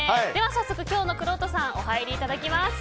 早速、今日のくろうとさんお入りいただきます。